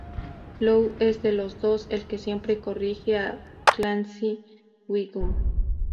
Lou es de los dos, el que siempre corrige a Clancy Wiggum.